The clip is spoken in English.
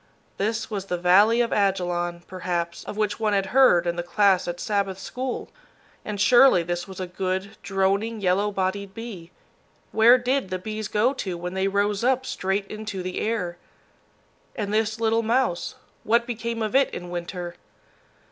This was the valley of Ajalon, perhaps, of which one had heard in the class at Sabbath school. And surely this was a good, droning, yellow bodied bee where did the bees go to when they rose up straight into the air? And this little mouse, what became of it in winter?